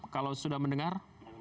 kalau sudah mendengar